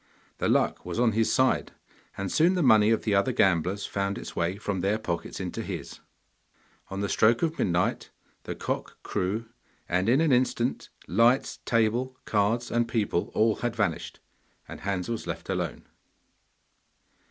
The luck was on his side, and soon the money of the other gamblers found its way from their pockets into his. On the stroke of midnight the cock crew, and in an instant lights, table, cards, and people all had vanished, and Hans was left alone.